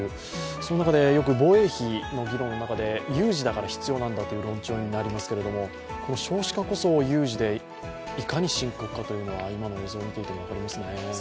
その中でよく防衛費の議論の中で有事だから必要なんだという論調になりますけれども、この少子化こそ有事で、いかに深刻化というのが今の映像を見ていても分かりますね。